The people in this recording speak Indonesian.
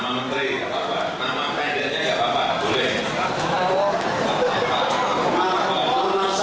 nama menteri nggak apa apa